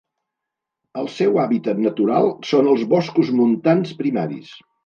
El seu hàbitat natural són els boscos montans primaris.